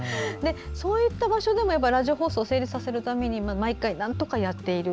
そういった場所でもラジオ放送を成立させるために毎回、なんとかやっている。